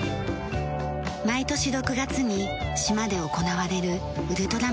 毎年６月に島で行われるウルトラマラソン。